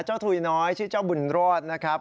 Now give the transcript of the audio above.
ถุยน้อยชื่อเจ้าบุญรอดนะครับ